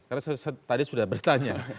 karena tadi sudah bertanya